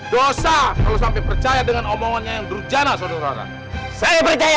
dosa kalau sampai percaya dengan omongannya yang berhujana saudara saya percaya